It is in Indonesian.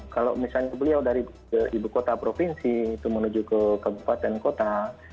kalau misalnya beliau dari ibu kota provinsi itu menuju ke kabupaten kota